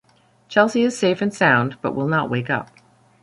Chelsea is safe and sound, but will not wake up.